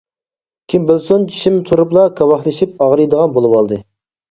كىم بىلسۇن، چىشىم تۇرۇپلا كاۋاكلىشىپ ئاغرىيدىغان بولۇۋالدى.